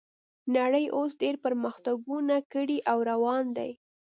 نړۍ اوس ډیر پرمختګونه کړي او روان دي